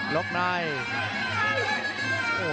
หลอกได้แต่ตีไม่ได้ครับ